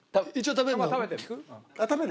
食べる？